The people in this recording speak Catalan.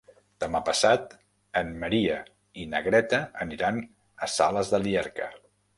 Demà passat en Maria i na Greta aniran a Sales de Llierca.